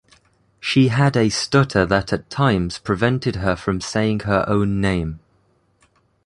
She had a stutter that at times prevented her from saying her own name.